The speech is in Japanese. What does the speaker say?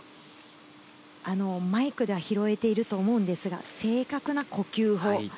マイクでは拾えていると思うんですが正確な呼吸法。